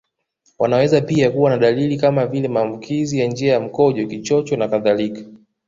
Wanaweza pia kuwa na dalili kama vile maambukizi ya njia ya mkojo Kichocho nakadhalika